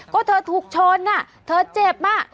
ก็เธอถูกชนน่ะเธอเจ็บมาก